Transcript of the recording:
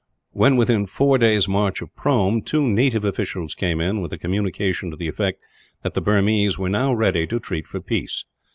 When within four days' march of Prome, two native officials came in, with a communication to the effect that the Burmese were ready to treat for peace.